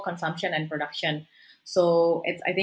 konsumsi dan produksi yang berkelanjutan